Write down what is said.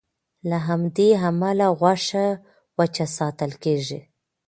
له همدې امله غوښه وچه ساتل کېږي.